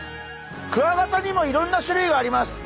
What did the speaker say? クワガタにもいろんな種類があります。